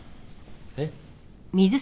えっ？